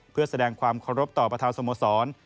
เพื่อแสดงความคอรบต่อประธานสมสรรค์